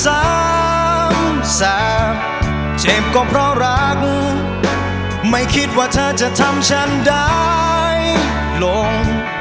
สามสามเจ็บก็เพราะรักไม่คิดว่าเธอจะทำฉันได้ลง